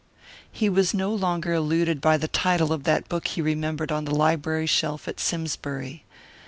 And he was no longer eluded by the title of that book he remembered on the library shelf at Simsbury.